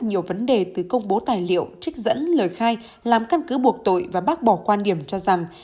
nhiều vấn đề từ công bố tài liệu trích dẫn lời khai làm căn cứ buộc tội và bác bỏ quan điểm cho rằng